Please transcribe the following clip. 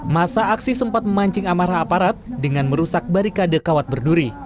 masa aksi sempat memancing amarah aparat dengan merusak barikade kawat berduri